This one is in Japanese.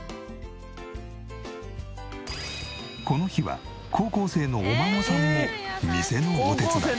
この日は高校生のお孫さんも店のお手伝い。